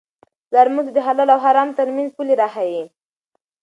پلار موږ ته د حلال او حرام ترمنځ پولې را ښيي.